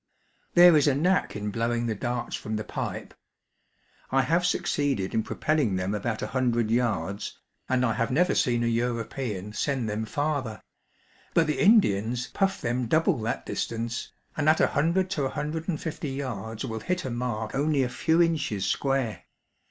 There is a knack.in blowing the darts from the pipe. I have succeeded in propelling them about a hundred yards, and I have never seen a European send them farther ; but the Indians puff them double that distance, and at a hundred to a hundred and fifty yards will hit a mark only a few inches square.